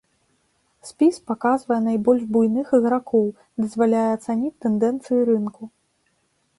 Спіс паказвае найбольш буйных ігракоў, дазваляе ацаніць тэндэнцыі рынку.